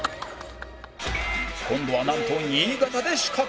今度はなんと新潟で仕掛ける